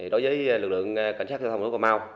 đối với lực lượng cảnh sát giao thông số cà mau